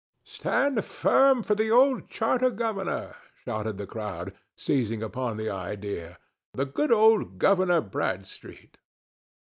"Stand firm for the old charter governor!" shouted the crowd, seizing upon the idea—"the good old Governor Bradstreet!"